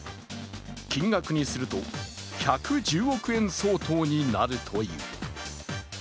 金額にすると１１０億円相当になるという。